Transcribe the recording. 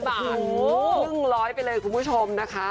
๑๐๐บาทไปเลยคุณผู้ชมนะคะ